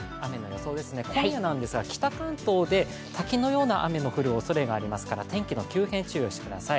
今夜なんですが、北関東で滝のような雨が降るおそれがありますから天気の急変、注意をしてください。